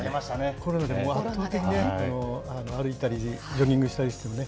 コロナで圧倒的にね、歩いたりジョギングしたりしてね。